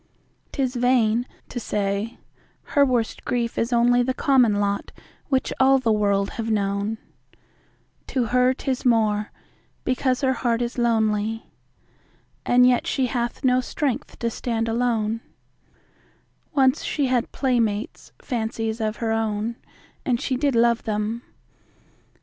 30 'Tis vain to say—her worst of grief is only The common lot, which all the world have known; To her 'tis more, because her heart is lonely, And yet she hath no strength to stand alone,— Once she had playmates, fancies of her own, 35 And she did love them.